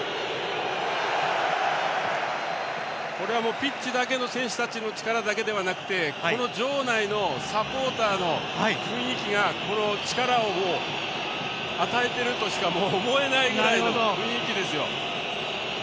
これはピッチの選手だけの力ではなくてこの場内のサポーターの雰囲気がこの力を与えているとしかもう思えないぐらいの雰囲気です。